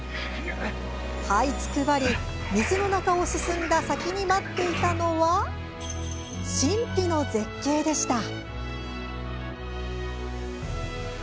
はいつくばり水の中を進んだ先に待っていたのは神秘の絶景でした。